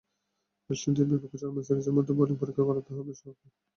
West ইন্ডিজের বিপক্ষে চলমান সিরিজের মধ্যেই বোলিং পরীক্ষা করাতে হবে সোহাগকে।